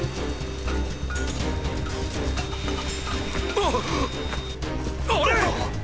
あっあれ！？